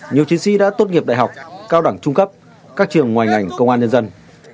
nhiều chiến sĩ đã tốt nghiệp đại học cao đẳng trung cấp các trường ngoài ngành công an nhân dân